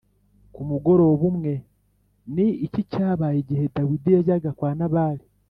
Ku mugoroba umwe ni iki cyabaye igihe Dawidi yajyaga kwa Nabali